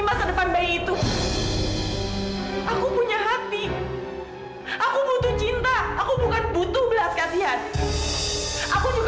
memang gak pantas untuk dipertimbangkan